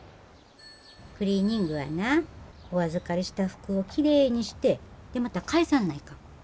クリーニングはなお預かりした服をきれいにしてでまた返さんないかん。